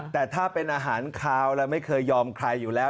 แต่ถ้าเป็นอาหารคาวแล้วไม่เคยยอมใครอยู่แล้ว